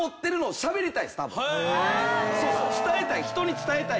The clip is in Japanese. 伝えたい。